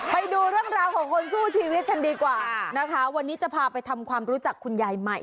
ไปดูเรื่องราวของคนสู้ชีวิตกันดีกว่านะคะวันนี้จะพาไปทำความรู้จักคุณยายใหม่